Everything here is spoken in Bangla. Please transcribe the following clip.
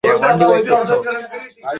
ত্বক বেশ মসৃণ।